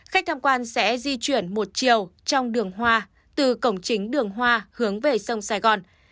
khách tham quan sẽ di chuyển một chiều trong đường hoa từ cổng chính đường hoa hướng về sông sài gòn